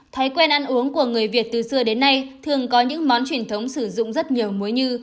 thói quen ăn uống của người việt từ xưa đến nay thường có những món truyền thống sử dụng rất nhiều muối như